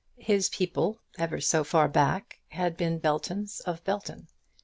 His people, ever so far back, had been Beltons of Belton.